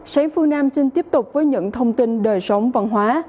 sấy phương nam xin tiếp tục với những thông tin đời sống văn hóa